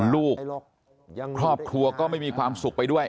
ลูกครอบครัวก็ไม่มีความสุขไปด้วย